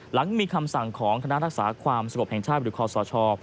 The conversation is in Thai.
หลังมีคำสั่งของคณะรักษาความสงบแห่งชาติหรือคอสช